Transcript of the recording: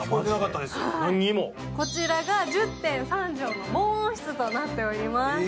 こちらが１０．３畳の防音室となっております。